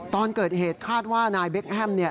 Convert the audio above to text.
ตอนเกิดเหตุคาดว่านายเบคแฮมเนี่ย